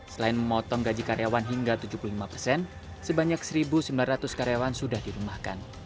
selain memotong gaji karyawan hingga tujuh puluh lima persen sebanyak satu sembilan ratus karyawan sudah dirumahkan